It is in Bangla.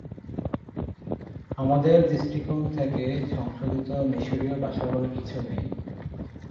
আমাদের দৃষ্টিকোণ থেকে 'সংশোধিত মিশরীয়' ভাষা বলে কিছু নেই।